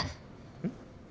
うん？